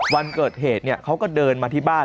วันเกิดเหตุเขาก็เดินมาที่บ้าน